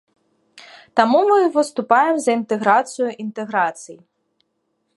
Таму мы выступаем за інтэграцыю інтэграцый.